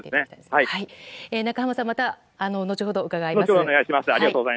中濱さん、また後程伺います。